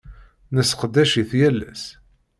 Nesseqdac-it yal ass.